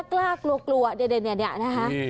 กล้ากลัวเนี่ยเนี่ยนะฮะ